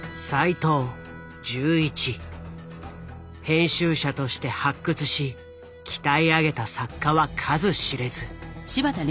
編集者として発掘し鍛え上げた作家は数知れず。